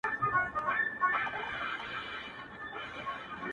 دی هم پټ روان پر لور د هدیرې سو٫